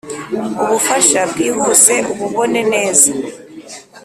ubufasha bwihuse ububone neza!